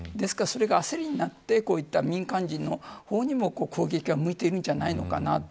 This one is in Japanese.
それが焦りになってこうした民間人の方にも攻撃が向いているんじゃないかな。